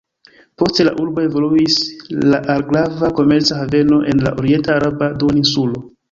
Poste la urbo evoluis al grava komerca haveno en la orienta araba duoninsulo.